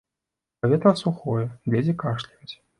Паветра сухое, дзеці кашляюць.